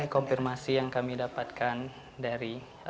konfirmasi yang kami dapatkan dari